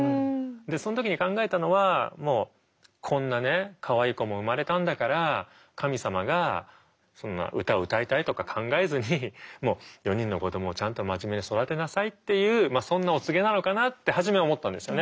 でその時に考えたのはもうこんなねかわいい子も生まれたんだから神様がそんな歌を歌いたいとか考えずにもう４人の子どもをちゃんと真面目に育てなさいっていうそんなお告げなのかなって初め思ったんですよね。